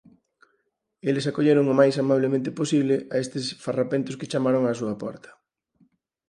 Eles acolleron o máis amablemente posible a estes farrapentos que chamaron á súa porta.